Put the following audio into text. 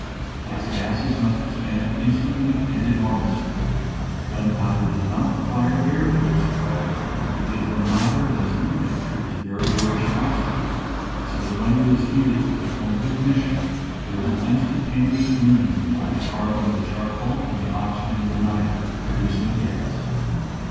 Its gases must expand in stantly and enormously. Gunpowder does not require air to explode it, because the niter that is in the mixture is very rich in oxygen, so that when it is heated to the point of ignition there is an instantaneous union between the carbon of the charcoal and the oxygen of the niter, producing a gas.